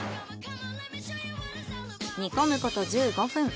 煮込むこと１５分。